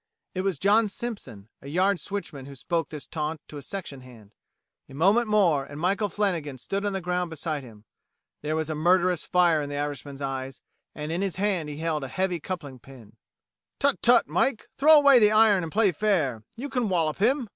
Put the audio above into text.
It was John Simpson, a yard switchman who spoke this taunt to a section hand. A moment more and Michael Flannagan stood on the ground beside him. There was a murderous fire in the Irishman's eyes, and in his hand he held a heavy coupling pin. "Tut! tut! Mike. Throw away the iron and play fair. You can wallup him!"